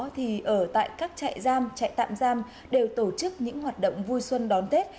thì ở tại các trại giam trại tạm giam đều tổ chức những hoạt động vui xuân đón tết